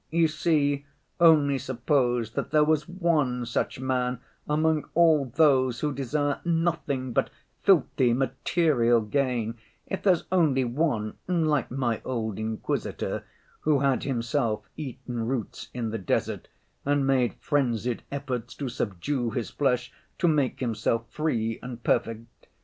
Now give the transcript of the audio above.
You see, only suppose that there was one such man among all those who desire nothing but filthy material gain—if there's only one like my old Inquisitor, who had himself eaten roots in the desert and made frenzied efforts to subdue his flesh to make himself free and perfect.